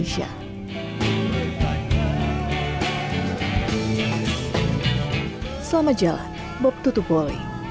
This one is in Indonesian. selamat jalan bob tutupoli